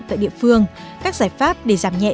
tại địa phương các giải pháp để giảm nhẹ